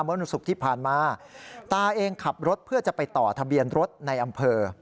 เมื่อวันศุกร์ที่ผ่านมาตาเองขับรถเพื่อจะไปต่อทะเบียนรถในอำเภอ